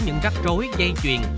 những rắc rối dây chuyền